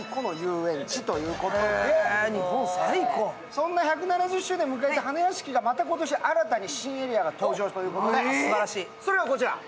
そんな１７０周年を迎えた花やしきがまた今年新たに新エリアが登場ということで、すばらしい、それがこちら。